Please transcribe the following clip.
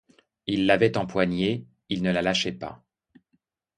Il l'avait empoignée, il ne la lâchait pas.